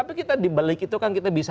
tapi kita dibalik itu kan kita bisa